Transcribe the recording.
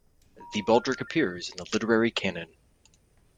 The baldric appears in the literary canon.